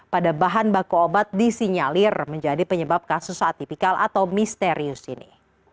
pada bahan baku obat disinyalir menjadi penyebab kasus atipikal atau misterius ini